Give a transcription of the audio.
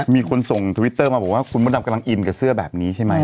มีคนส่งทวิตเตอร์มาบอกว่าคุณมดดำกำลังอินกับเสื้อแบบนี้ใช่ไหม